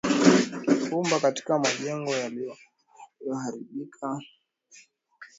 Vumbi katika majengo yaliyoharibiwa huenda ikawa na risasi, asbesto, simiti, au kuvu. Iwapo